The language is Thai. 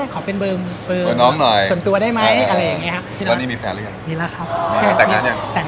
รายละยืนยืนเท่าไหร่เหรอคะ